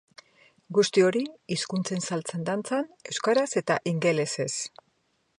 Guzti hori hizkuntzen saltsan dantzan, euskaraz eta ingelesez.